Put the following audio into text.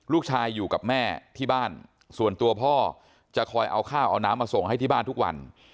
ลูกชายอยู่กับแม่ที่บ้านส่วนตัวพ่อจะคอยเอาข้าวเอาน้ำมาส่งให้ที่บ้านทุกวัน